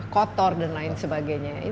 kotor dan lain sebagainya